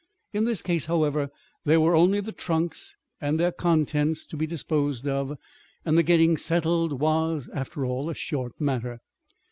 In this case, however, there were only the trunks and their contents to be disposed of, and the getting settled was, after all, a short matter.